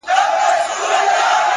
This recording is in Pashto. هوښیار فکر د راتلونکي بنسټ جوړوي،